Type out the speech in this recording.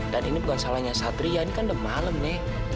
dan ini bukan salahnya satria ini kan udah malem nek